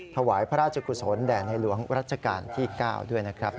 ถวายพระราชกุศลแด่ในหลวงรัชกาลที่๙ด้วยนะครับ